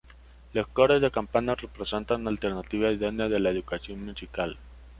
Los Coros de Campanas representan una alternativa idónea de la educación musical.